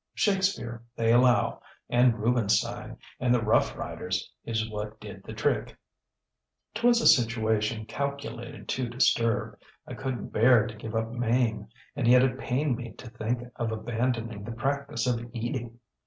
Shakespeare, they allow, and Rubinstein, and the Rough Riders is what did the trick. ŌĆ£ŌĆÖTwas a situation calculated to disturb. I couldnŌĆÖt bear to give up Mame; and yet it pained me to think of abandoning the practice of eating.